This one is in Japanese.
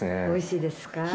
おいしいですか？